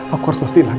aku harus pastikan lagi